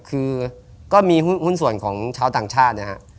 คือก็มีหุ้นส่วนของชาวต่างชาตินะฮะ